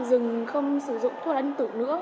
dừng không sử dụng thuốc lá điện tử nữa